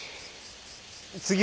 次は？